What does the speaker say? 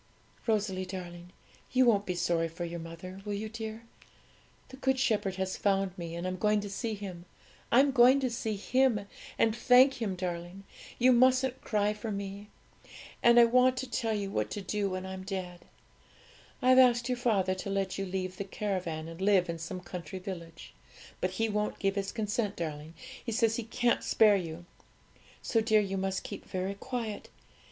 'Rosalie, darling, you won't be sorry for your mother; will you, dear? The Good Shepherd has found me, and I'm going to see Him. I'm going to see Him, and thank Him, darling; you mustn't cry for me. And I want to tell you what to do when I'm dead. I've asked your father to let you leave the caravan, and live in some country village; but he won't give his consent, darling; he says he can't spare you. So, dear, you must keep very quiet.